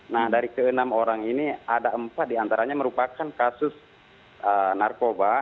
nah dari ke enam orang ini ada empat diantaranya merupakan kasus narkoba